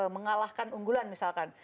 mengalahkan unggulan misalkan